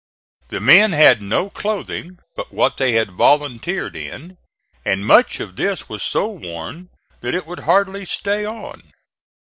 The men had no clothing but what they had volunteered in, and much of this was so worn that it would hardly stay on.